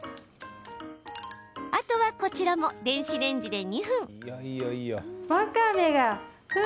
あとは、こちらも電子レンジで２分。